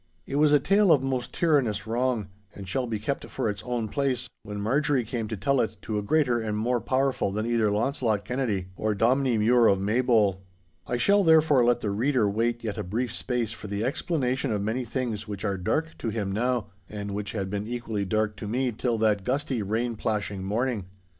It was a tale of most tyrannous wrong, and shall be kept for its own place, when Marjorie came to tell it to a greater and more powerful than either Launcelot Kennedy or Dominie Mure of Maybole. I shall, therefore, let the reader wait yet a brief space for the explanation of many things which are dark to him now, and which had been equally dark to me till that gusty, rain plashing morning.